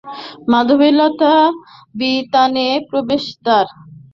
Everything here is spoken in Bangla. মাধবীলতা-বিতানে প্রবেশের দ্বার।